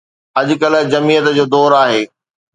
اڄ ڪلهه جمعيت جو دور آهي.